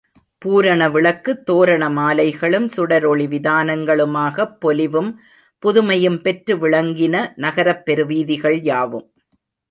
பூரண விளக்கு, தோரண மாலைகளும் சுடரொளி விதானங்களுமாகப் பொலிவும் புதுமையும் பெற்று விளங்கின, நகரப்பெரு வீதிகள் யாவும்.